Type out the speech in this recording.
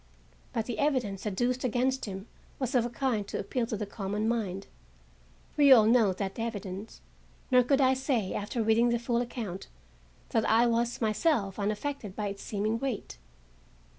But the evidence adduced against him was of a kind to appeal to the common mind—we all know that evidence—nor could I say, after reading the full account, that I was myself unaffected by its seeming weight.